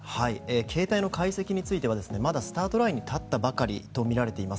携帯の解析についてはまだスタートラインに立ったばかりとみられています。